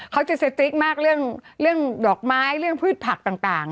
เขาจะสติ๊กมากเรื่องดอกไม้เรื่องพืชผักต่าง